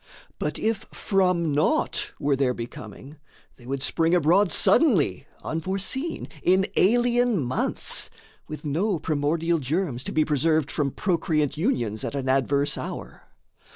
But if from naught Were their becoming, they would spring abroad Suddenly, unforeseen, in alien months, With no primordial germs, to be preserved From procreant unions at an adverse hour.